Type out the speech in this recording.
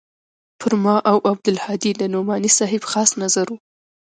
پر ما او عبدالهادي د نعماني صاحب خاص نظر و.